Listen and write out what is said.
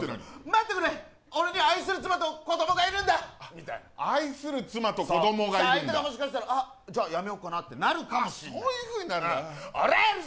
待ってくれ俺には愛する妻と子供がいるんだみたいな愛する妻と子供がいるんだそう相手がもしかしたらじゃやめよっかなってなるかもそういうふうになるんだオラやる